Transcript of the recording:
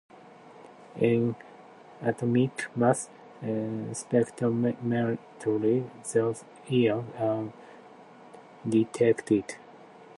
In atomic mass spectrometry, these ions are detected.